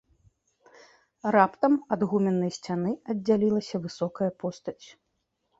Раптам ад гуменнай сцяны аддзялілася высокая постаць.